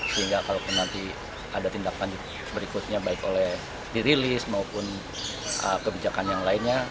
sehingga kalau nanti ada tindakan berikutnya baik oleh dirilis maupun kebijakan yang lainnya